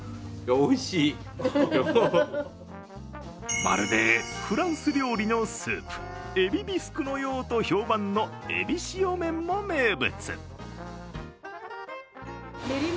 まるでフランス料理のスープエビビスクのようと評判のえびしお麺も名物。